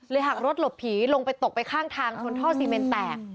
หักรถหลบผีลงไปตกไปข้างทางชนท่อซีเมนแตก